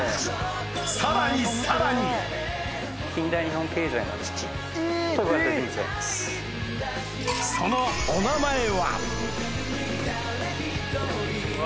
さらにさらにそのお名前はうわ